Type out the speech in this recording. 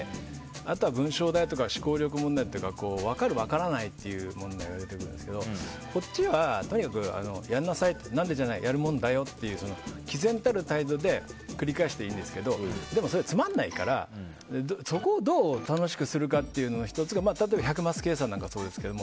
あとは文章題とか思考力問題は分かる、分からないという問題が出てきますけどこっちは、とにかくやりなさい何でじゃないやるものだよっていう毅然たる態度で繰り返していいんですけどでも、それつまんないからそこをどう楽しくするかというのの１つが例えば、１００マス計算なんかもそうですけど